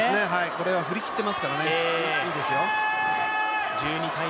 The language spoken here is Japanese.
これは振り切っていますからね、いいですよ。